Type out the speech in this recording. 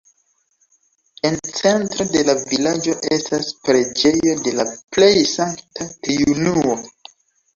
En centro de la vilaĝo estas preĝejo de la Plej Sankta Triunuo.